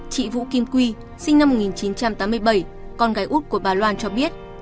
chị vũ kim quy sinh năm một nghìn chín trăm tám mươi bảy con gái út của bà loan cho biết